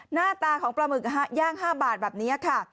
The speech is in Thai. หน้าตาของปลาหมึกย่าง๕บาทแบบนี้ค่ะ